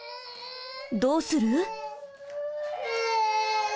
どうする！？